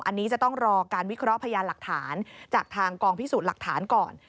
อันนี้จะต้องรอการวิเคราะห์พยานหลักฐานจากทางกองพิสูจน์หลักฐานก่อน